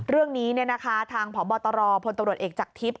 เรื่องนี้เนี่ยนะคะทางพบตรพตรเอกจากทิพย์